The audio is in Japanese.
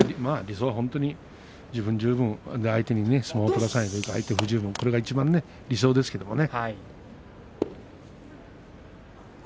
自分十分相手に相撲を取らせないという相手不十分、これがいちばんの理想ですけどもね。